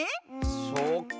そっかあ。